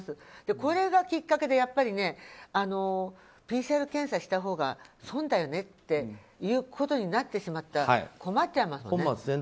これがきっかけでＰＣＲ検査したほうが損だよねっていうことになってしまったら困ってしまいますもんね。